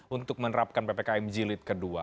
untuk menerapkan ppkm jilid kedua